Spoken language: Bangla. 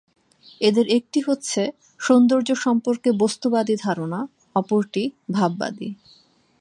এদের একটি হচ্ছে সৌন্দর্য সম্পর্কে বস্তুবাদী ধারণা; অপরটি ভাববাদী।